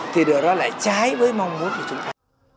thì điều đó lại trái với mong muốn của chúng ta